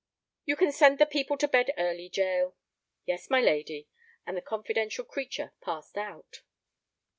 "You can send the people to bed early, Jael." "Yes, my lady," and the confidential creature passed out.